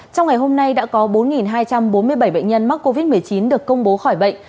trong ngày hôm nay đã có bốn hai trăm bốn mươi bảy bệnh nhân mắc covid một mươi chín được công bố khỏi bệnh